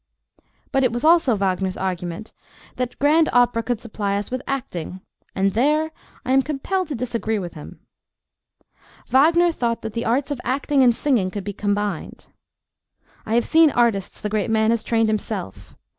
But it was also Wagner's argument that grand opera could supply us with acting, and there I am compelled to disagree with him. Wagner thought that the arts of acting and singing could be combined. I have seen artists the great man has trained himself.